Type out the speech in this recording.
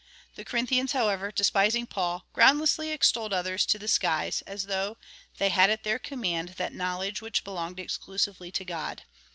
The Corinthians, however, despising Paul, groundlessly extolled others to the skies, as though they had at their command that knowledge which belonged exclusively to God.